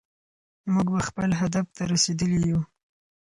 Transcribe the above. موږ به خپل هدف ته رسېدلي يو.